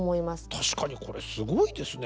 確かにこれすごいですね